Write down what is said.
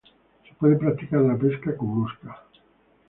Se puede practicar la pesca con mosca.